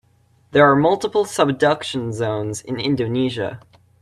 There are multiple subduction zones in Indonesia.